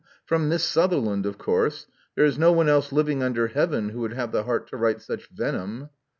From Miss Sutherland, of course. There is no one else living under heaven who would have the heart to write such venom."